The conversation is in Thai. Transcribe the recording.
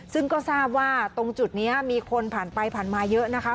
ซึ่งก็ทราบว่าตรงจุดนี้มีคนผ่านไปผ่านมาเยอะนะคะ